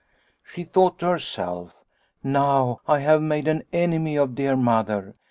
She thought to herself, ' Now I have made an enemy of dear Mother.